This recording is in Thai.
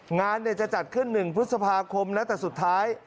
งานจะจัดขึ้น๑พฤษภาคมนะแต่สุดท้าย